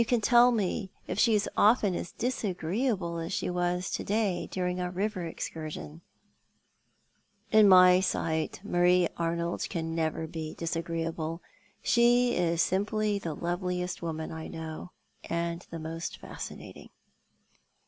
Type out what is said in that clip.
can tell me if slae is often as disagreeable as she was to day during our river excursion ?"" In my sight Marie Arnold can never be disagreeable. She is simply the loveliest woman I know, and the most fascinating."